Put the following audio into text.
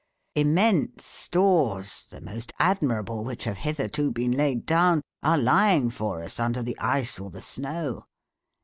Immense stores, the most admirable which have hitherto been laid down, are lying for us under the ice or the snow.